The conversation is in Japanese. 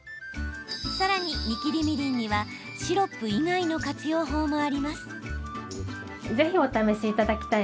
さらに、煮きりみりんにはシロップ以外の活用法もあります。